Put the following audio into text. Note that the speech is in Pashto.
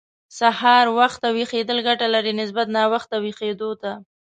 سهار وخته ويښېدل ګټه لري، نسبت ناوخته ويښېدو ته.